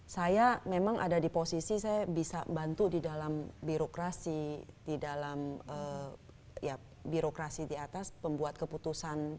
saya memang ada di posisi saya bisa bantu di dalam birokrasi di dalam ya birokrasi di atas pembuat keputusan